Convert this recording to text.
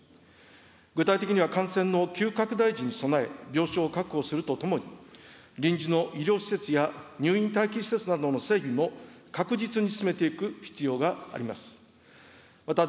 具体的には感染の急拡大時に備え、病床を確保するとともに、臨時の医療施設や入院待機施設などの整備も確実に進めていく必要があります。